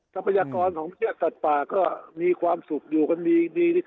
ทรัพยากรของประเทศสัตว์ป่าก็มีความสุขอยู่กันดี